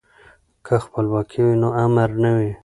که خپلواکي وي نو امر نه وي.